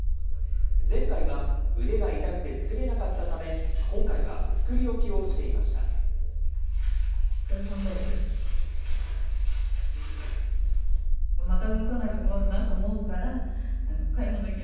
前回は腕が痛くて作れなかったため、今回は作り置きをしていました。